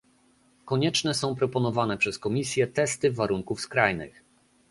Konieczne są proponowane przez Komisję testy warunków skrajnych